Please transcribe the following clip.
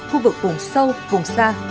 khu vực vùng sâu vùng xa